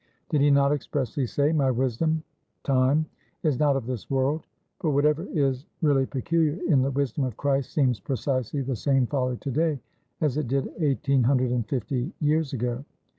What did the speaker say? Did he not expressly say My wisdom (time) is not of this world? But whatever is really peculiar in the wisdom of Christ seems precisely the same folly to day as it did 1850 years ago.